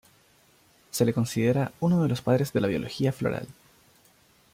Se le considera uno de los padres de la biología floral.